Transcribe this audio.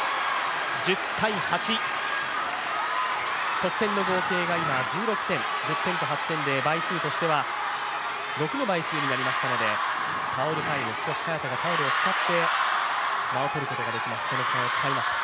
得点の合計が今、１８点倍数としては６の倍数になりましたのでタオルタイム、少し早田がタオルを使って間を取ることができます。